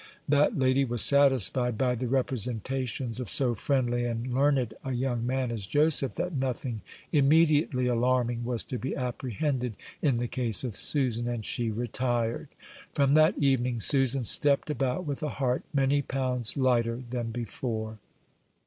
That lady was satisfied by the representations of so friendly and learned a young man as Joseph that nothing immediately alarming was to be apprehended in the case of Susan; and she retired. From that evening Susan stepped about with a heart many pounds lighter than before.